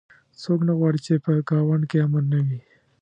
څوک نه غواړي چې په ګاونډ کې امن نه وي